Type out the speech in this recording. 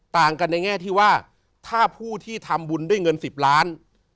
ต่างกันในแง่ที่ว่าถ้าผู้ที่ทำบุญด้วยเงิน๑๐ล้าน